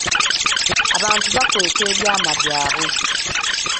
Abantu bakweka ebyama byabwe.